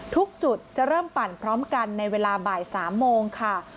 ทุกจุดจะเริ่มปั่นพร้อมกันในเวลาบ่าย๓โมงค่ะ